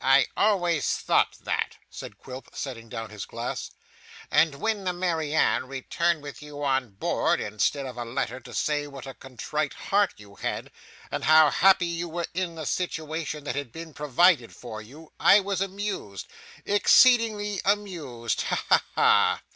I always thought that,' said Quilp setting down his glass. 'And when the Mary Anne returned with you on board, instead of a letter to say what a contrite heart you had, and how happy you were in the situation that had been provided for you, I was amused exceedingly amused. Ha ha ha!